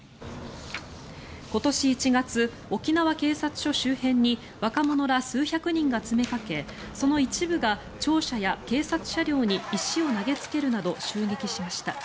今年１月、沖縄警察署周辺に若者ら数百人が詰めかけその一部が庁舎や警察車両に石を投げつけるなど襲撃しました。